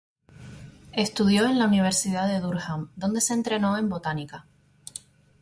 Estudió en la Universidad de Durham, donde se entrenó en botánica.